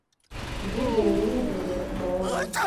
Vidu en leĝo de Moore.